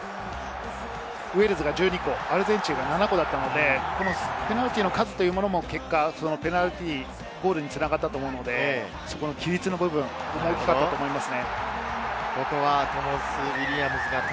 ウェールズは１２個、アルゼンチンは７個だったので、ペナルティーの数もペナルティーゴールに繋がったので、規律の部分も大きかったと思います。